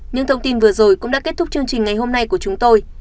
những thông tin vừa rồi cũng đã kết thúc chương trình ngày hôm nay của chúng tôi